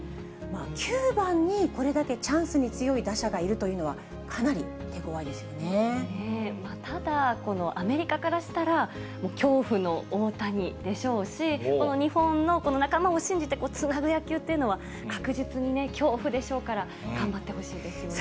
９番にこれだけチャンスに強い打者がいるというのは、かなり手ごただ、アメリカからしたら、恐怖の大谷でしょうし、日本のこの仲間を信じてつなぐ野球っていうのは、確実に恐怖でしょうから、頑張ってほしいですよね。